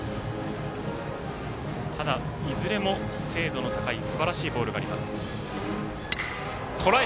ただ、いずれも精度の高いすばらしいボールがあります。